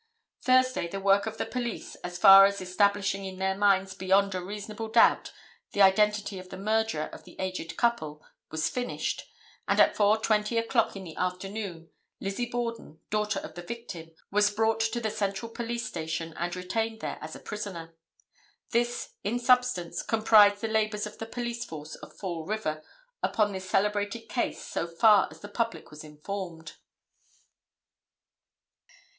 Thursday the work of the police, as far as establishing in their minds beyond a reasonable doubt the identity of the murderer of the aged couple, was finished, and at 4:20 o'clock in the afternoon Lizzie Borden, daughter of the victim, was brought to the Central Police Station and retained there as a prisoner. This, in substance, comprised the labors of the police force of Fall River upon this celebrated case so far as the public was informed.